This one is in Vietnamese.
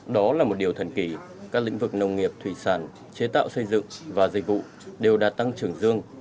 đó là một điều thần kỳ các lĩnh vực nông nghiệp thủy sản chế tạo xây dựng và dịch vụ đều đã tăng trưởng dương